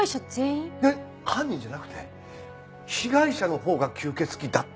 犯人じゃなくて被害者のほうが吸血鬼だったって事か？